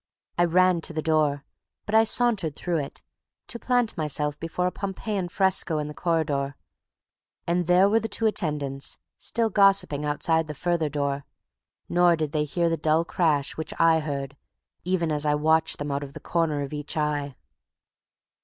I ran to the door, but I sauntered through it, to plant myself before a Pompeiian fresco in the corridor; and there were the two attendants still gossiping outside the further door; nor did they hear the dull crash which I heard even as I watched them out of the corner of each eye.